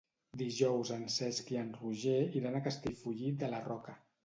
Dijous en Cesc i en Roger iran a Castellfollit de la Roca.